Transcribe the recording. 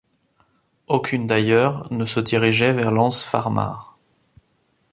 Aucune d’ailleurs ne se dirigeait vers l’anse Farmar.